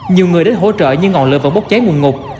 nhiều người đến hỗ trợ nhưng ngọn lửa vẫn bốc cháy nguồn ngục